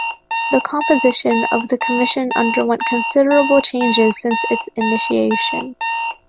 The composition of the Commission underwent considerable changes since its initiation.